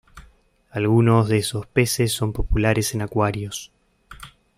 Algunos de esos peces son populares en acuarios.